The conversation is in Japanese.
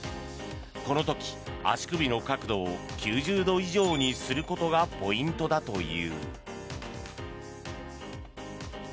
この時、足首の角度を９０度以上にすることがポイントだという。